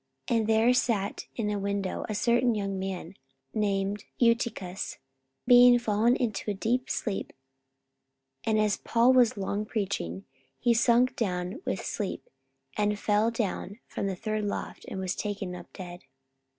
44:020:009 And there sat in a window a certain young man named Eutychus, being fallen into a deep sleep: and as Paul was long preaching, he sunk down with sleep, and fell down from the third loft, and was taken up dead.